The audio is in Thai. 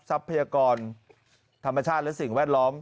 ทรัพยากรธรรมชาติและสิ่งแวดล้อม